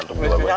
udah ngantuk gua